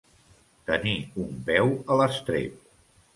Tenir un peu a l'estrep.